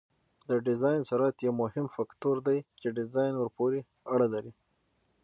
د ډیزاین سرعت یو مهم فکتور دی چې ډیزاین ورپورې اړه لري